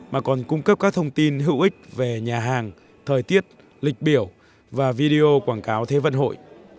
mà còn cung cấp các thông tin hữu ích về nhà hàng thời tiết lịch biểu và video quảng cáo thế vận hội